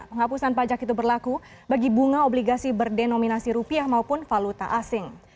penghapusan pajak itu berlaku bagi bunga obligasi berdenominasi rupiah maupun valuta asing